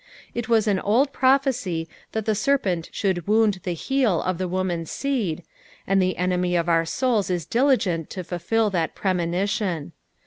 It was an old prophecy that the serpent should wound the heel of the woman's aeed, and the enemy of our aouls is diligent to fulfil thiit premonition.